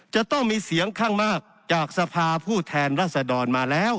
จะต้องมีเสียงข้างมากจากสภาผู้แทนรัศดรมาแล้ว